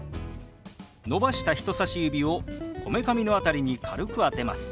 伸ばした人さし指をこめかみの辺りに軽く当てます。